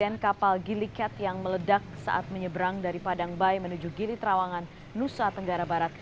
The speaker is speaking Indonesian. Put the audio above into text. dan kapal gili cat yang meledak saat menyeberang dari padang bay menuju gili trawangan nusa tenggara barat